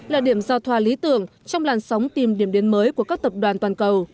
là điểm giao thoa lý tưởng trong làn sóng tìm điểm đến mới của các tập đoàn toàn cầu